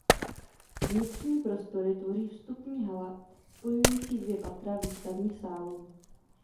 Vnitřní prostory tvoří vstupní hala spojující dvě patra výstavních sálů.